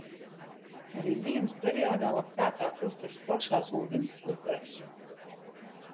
Arī ziemas periodā labprātāk uzturas plašās ūdenstilpēs.